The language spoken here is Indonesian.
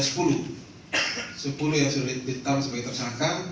sepuluh yang sudah ditetapkan sebagai tersangka